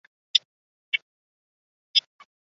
钻状风毛菊为菊科风毛菊属下的一个种。